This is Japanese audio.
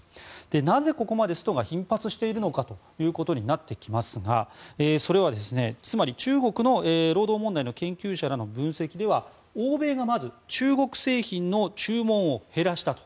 なぜここまでストが頻発しているのかということになってきますがそれは、中国の労働問題の研究者らの分析では、欧米がまず中国製品の注文を減らしたと。